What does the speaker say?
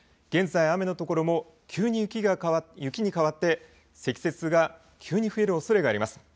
現在、雨の所も急に雪に変わって積雪が急に増えるおそれがあります。